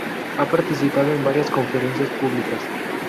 Ha participado en varias conferencias públicas.